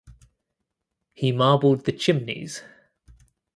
He marbled the chimneys.